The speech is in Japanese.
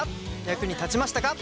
役に立ちましたか？